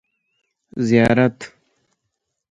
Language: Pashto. ـ زیارت.